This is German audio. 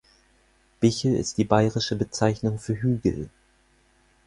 Bichl ist die bairische Bezeichnung für Hügel.